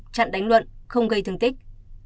chặn đánh luận không gây thương tích